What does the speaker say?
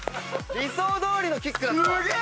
理想どおりのキックだった。